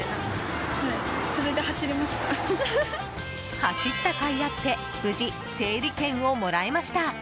走ったかいあって無事、整理券をもらえました。